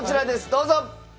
どうぞ！